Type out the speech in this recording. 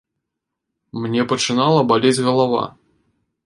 Мне пачынала балець галава.